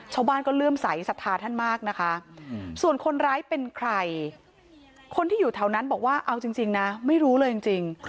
ชาวบ้านก็เลื่อมใสสัทธาท่านมากนะคะส่วนคนร้ายเป็นใครคนที่อยู่แถวนั้นบอกว่าเอาจริงนะไม่รู้เลยจริง